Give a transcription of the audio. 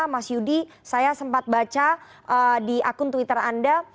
mas yudi saya sempat baca di akun twitter anda